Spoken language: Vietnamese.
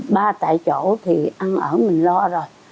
ba tại chỗ thì ăn ở mình lo rồi